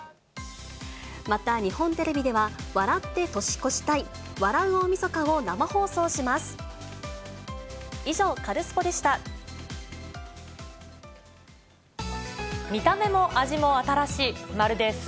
また、日本テレビでは、笑って年越したい！笑う大晦日を生放送します。